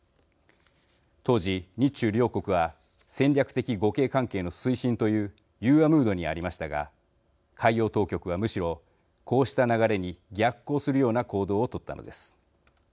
当時、日中両国は戦略的互恵関係の推進という融和ムードにありましたが海洋当局はむしろこうした流れに逆行するような行動を取ったのです。